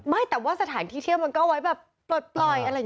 ไม่แต่ว่าสถานที่เที่ยวมันก็ไว้แบบเปิดปล่อยอะไรอยู่